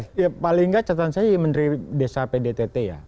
saya menteri desa pdtt ya